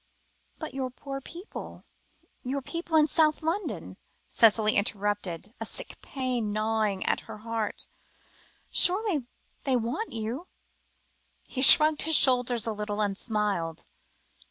"But your poor people your people in South London," Cicely interrupted, a sick pain gnawing at her heart; "surely they want you?" He shrugged his shoulders a little, and smiled.